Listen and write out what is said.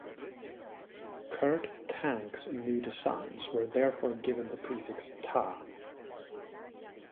Kurt Tank's new designs were therefore given the prefix Ta.